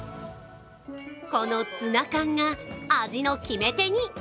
このツナ缶が味の決め手に。